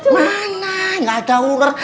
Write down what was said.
mana gak ada ular